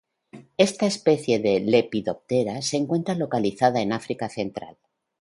Esta especie de Lepidoptera se encuentra localizada en África central.